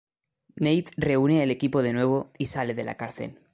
Nate reúne el equipo de nuevo y sale de la cárcel.